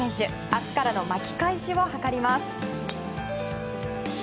明日からの巻き返しを図ります。